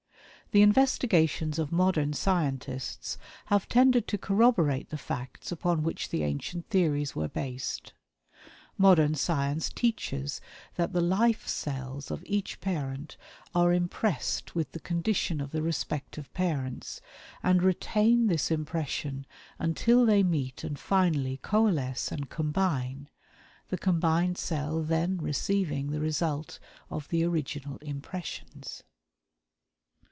The Investigations of modern scientists have tended to corroborate the facts upon which the ancient theories were based. Modern science teaches that the life cells of each parent are impressed with the condition of the respective parents, and retain this impression until they meet and finally coalesce and combine, the combined cell then receiving the result of the original impressions.